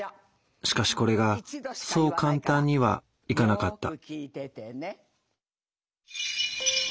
しかしこれがそう簡単にはいかなかった。